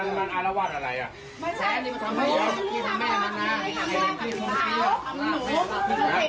เอาประตูนี้มาดังคืออยู่ไหมเนี่ย